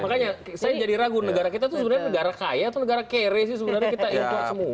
makanya saya jadi ragu negara kita itu sebenarnya negara kaya atau negara kere sih sebenarnya kita impor semua